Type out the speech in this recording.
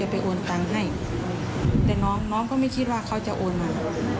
พี่ก็ไม่คิดว่าเขาจะโอนมา